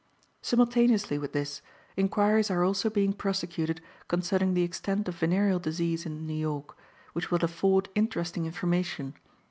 "Simultaneously with this, inquiries are also being prosecuted concerning the extent of venereal disease in New York, which will afford interesting information.